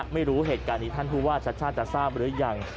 ไม่รู้เหตุการณ์นี้ท่านผู้ว่าชาติชาติจะทราบหรือยัง